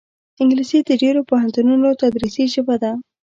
انګلیسي د ډېرو پوهنتونونو تدریسي ژبه ده